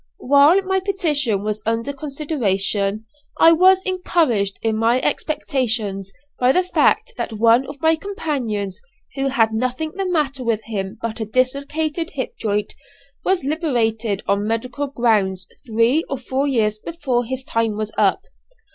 While my petition was under consideration I was encouraged in my expectations by the fact that one of my companions who had nothing the matter with him but a dislocated hip joint, was liberated on medical grounds three or four years before his time was up.